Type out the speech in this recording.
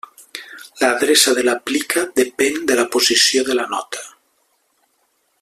L'adreça de la plica depèn de la posició de la nota.